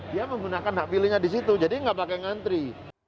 dia menggunakan hak pilihnya di situ jadi nggak pakai ngantri